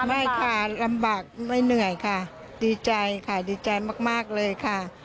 ไม่ค่ะลำบากไม่เหนื่อยค่ะดีใจค่ะดีใจมากเลยค่ะ